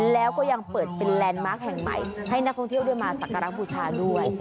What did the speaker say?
แล้วก็ยังเปิดเป็นแลนด์มาร์คแห่งใหม่ให้นักท่องเที่ยวได้มาสักการะบูชาด้วย